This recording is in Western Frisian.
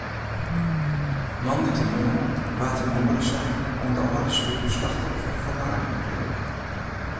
Moandeitemoarn waard in moadesaak oan de Alde Slûs slachtoffer fan in raamkreak.